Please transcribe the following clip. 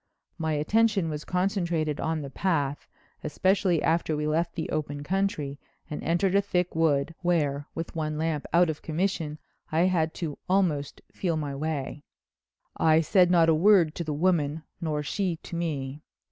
My attention was concentrated on the path, especially after we left the open country and entered a thick wood, where, with one lamp out of commission, I had to almost feel my way. "I said not a word to the woman nor she to me.